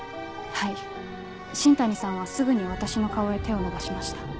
はい新谷さんはすぐに私の顔へ手を伸ばしました。